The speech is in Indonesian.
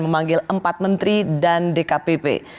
memanggil empat menteri dan dkpp